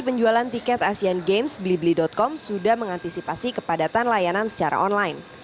penjualan tiket asian games blibli com sudah mengantisipasi kepadatan layanan secara online